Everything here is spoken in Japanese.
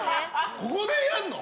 ここでやるの？